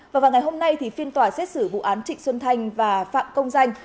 và vào ngày hôm nay thì phiên tòa xét xử vụ án trịnh xuân thanh và phạm công danh